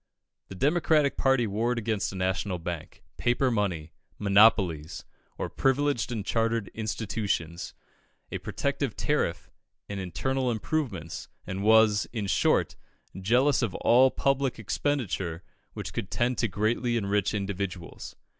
The Democratic party warred against a national bank, paper money, "monopolies" or privileged and chartered institutions, a protective tariff, and internal improvements, and was, in short, jealous of all public expenditure which could tend to greatly enrich individuals.